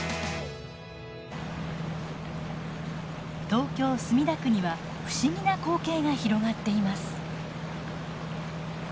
東京・墨田区には不思議な光景が広がっています。